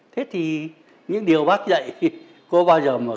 thế thì những điều bác dạy cô bao giờ mới dạy